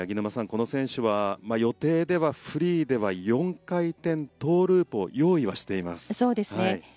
この選手は予定ではフリーでは４回転トウループを用意はしています。